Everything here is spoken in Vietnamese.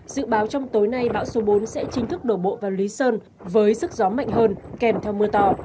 dự báo trong tối nay bão số bốn sẽ chính thức đổ bộ vào lý sơn với sức gió mạnh hơn kèm theo mưa to